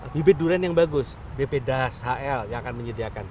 bibit durian yang bagus bp das hl yang akan menyediakan